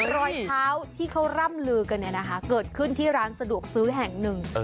รอยเท้าที่เขาร่ำลือกันเกิดขึ้นที่ร้านสะดวกซื้อแห่งหนึ่ง